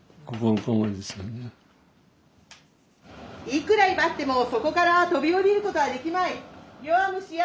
「いくら威張ってもそこから飛び降りることはできまい」。